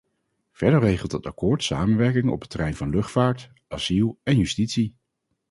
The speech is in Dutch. Verder regelt het akkoord samenwerking op het terrein van luchtvaart, asiel en justitie.